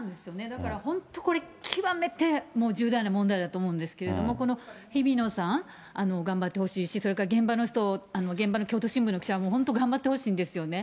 だから本当これ、極めてもう重大な問題だと思うんですけれども、この日比野さん、頑張ってほしいし、それから現場の人、現場の京都新聞の人、本当頑張ってほしいんですよね。